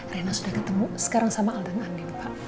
rena sudah ketemu sekarang sama aldan andin pak